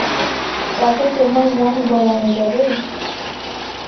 তাতে তোমার মন গলানো যাবে?